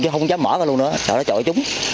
chứ không dám mở ra luôn nữa sợ nó trội chúng